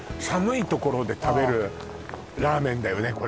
寒いところで食べるラーメンだよね